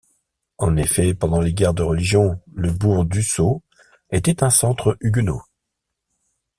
En effet, pendant les guerres de religion, le bourg d'Usseau était un centre huguenot.